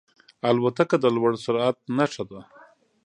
الوتکه د لوړ سرعت نښه ده.